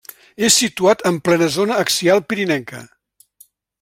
És situat en plena zona axial pirinenca.